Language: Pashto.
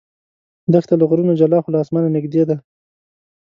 دښته له غرونو جلا خو له اسمانه نږدې ده.